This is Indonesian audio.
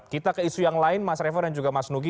kita ke isu yang lain mas revo dan juga mas nugi